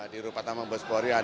di rupa taman polda gorontalo